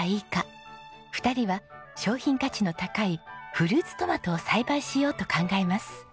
２人は商品価値の高いフルーツトマトを栽培しようと考えます。